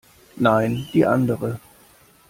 Nein, die andere.